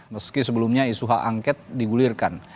meski sebelumnya isu hak angket digulirkan